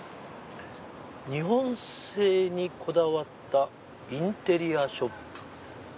「日本製にこだわったインテリアショップ」。